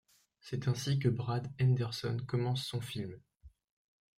C'est ainsi que Brad Anderson commence son film.